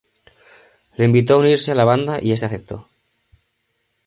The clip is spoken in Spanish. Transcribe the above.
Le invitó a unirse a la banda y este aceptó.